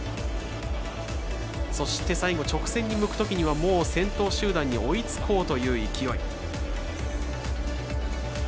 そして、最後、直線に向くときにはもう先頭集団に追いつこうという勢い。